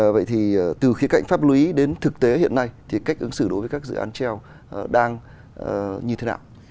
vậy thì từ khía cạnh pháp lý đến thực tế hiện nay thì cách ứng xử đối với các dự án treo đang như thế nào